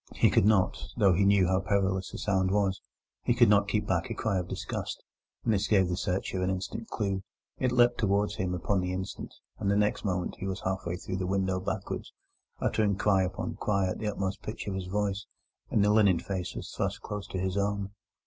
He could not, though he knew how perilous a sound was—he could not keep back a cry of disgust, and this gave the searcher an instant clue. It leapt towards him upon the instant, and the next moment he was half way through the window backwards, uttering cry upon cry at the utmost pitch of his voice, and the linen face was thrust close into his own.